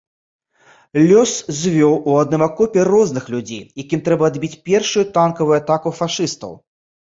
Лёс звёў у адным акопе розных людзей, якім трэба адбіць першую танкавую атаку фашыстаў.